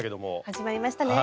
始まりましたね。